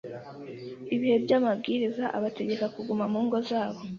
Ibihe by'amabwiriza abategeka kuguma mu ngo zabo,